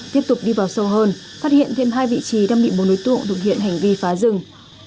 tiếp tục đi vào sâu hơn phát hiện thêm hai vị trí đam mị bốn đối tượng thực hiện hành vi phá rừng